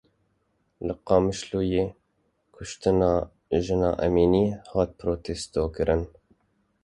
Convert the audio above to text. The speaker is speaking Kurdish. Li Qamişloyê kuştina Jîna Emînî hat protestokirin.